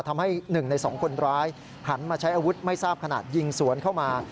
ทำให้๑ใน๒คนร้ายหันมาใช้อาวุธไม่ทราบขนาดยิงสวนเข้ามา